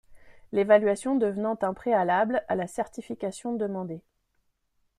L'évaluation devenant un préalable à la certification demandée.